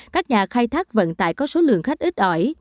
các nhà khai thác vận tải có số lượng khách ít ỏi